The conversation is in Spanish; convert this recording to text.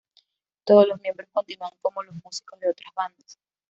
Todos los miembros continúan como los músicos de otras bandas.